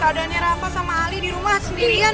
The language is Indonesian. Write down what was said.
kebetulannya rafa sama ali di rumah sendirian